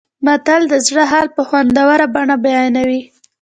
متل د زړه حال په خوندوره بڼه بیانوي